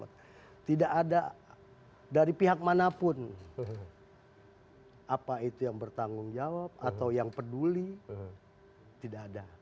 tidak ada dari pihak manapun apa itu yang bertanggung jawab atau yang peduli tidak ada